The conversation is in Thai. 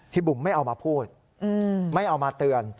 บุ๋มไม่เอามาพูดไม่เอามาเตือน